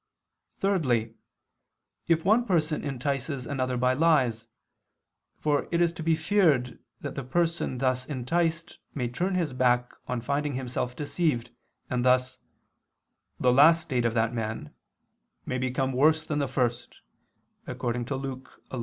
Thirdly, if one person entices another by lies: for it is to be feared that the person thus enticed may turn back on finding himself deceived, and thus "the last state of that man" may become "worse than the first" (Luke 11:26).